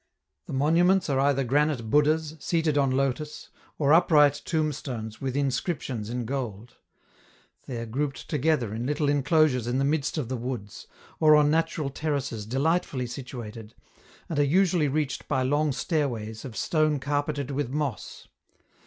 The monuments are either granite Buddhas, seated on lotus, or upright tombstones with inscriptions in gold. They are grouped together in little enclosures in the midst of the woods, or on natural terraces delightfully situated, and are usually reached by long stairways of stone carpeted with moss.